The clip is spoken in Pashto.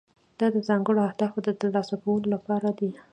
دا د ځانګړو اهدافو د ترلاسه کولو لپاره دی.